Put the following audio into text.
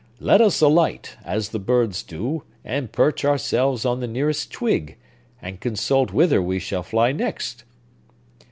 Let us alight, as the birds do, and perch ourselves on the nearest twig, and consult wither we shall fly next!"